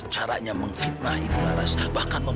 saya tidak bisa pakai hp